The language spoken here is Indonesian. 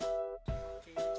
selamat datang di lombok